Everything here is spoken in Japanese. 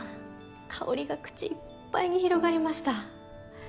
香りが口いっぱいに広がりました。